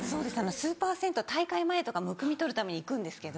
スーパー銭湯大会前とかむくみ取るために行くんですけど。